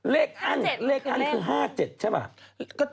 เลขอั้นเลขอั้นคือ๕๗ใช่หรือเปล่า